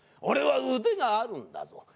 俺は腕があるんだぞ。